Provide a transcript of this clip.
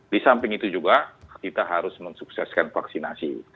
di samping itu juga kita harus mensukseskan vaksinasi